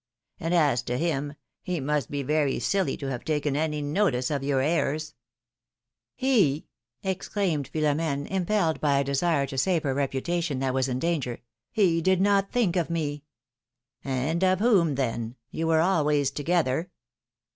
And, as to him, he must be very silly to have taken any notice of your airs.'^ exclaimed Philom^ne, impelled by a desire to save her reputation, that was in danger, did not think of me!^^ ^^And of whom, then ? You were always together.